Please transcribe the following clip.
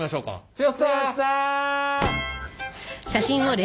剛さん。